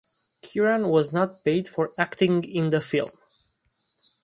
Kiran was not paid for acting in the film.